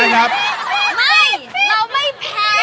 ไม่เราไม่แพ้